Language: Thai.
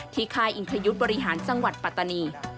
ค่ายอิงคยุทธ์บริหารจังหวัดปัตตานี